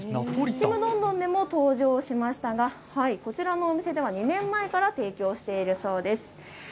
ちむどんどんでも登場しましたがこちらのお店では２年前から提供しているそうです。